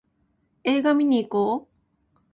映画見にいこう